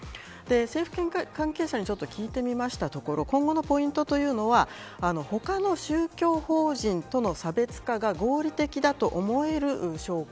政府関係者に聞いてみたところ今後のポイントというのは他の宗教法人との差別化が合理的だと思える証拠